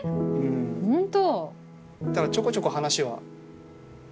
ホント。